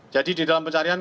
jadi di dalam pencarian